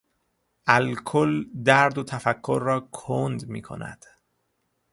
الکل درد و تفکر را کند میکند.